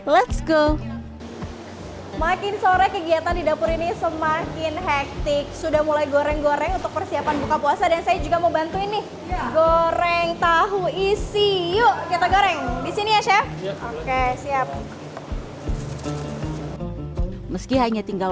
nasi liwet dilakukan dua tahap